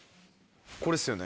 これっすよね。